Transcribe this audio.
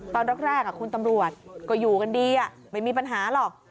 ตอนแรกคุณตำรวจก็อยู่กันดีไม่มีปัญหาหรอก